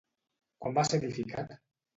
Quan va ser edificat?